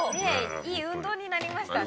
いい運動になりましたね。